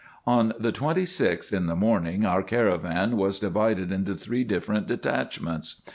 On the 26th, in the morning, our caravan was divided into three different detachments.